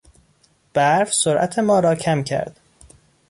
برف سرعت ما را کم کرد.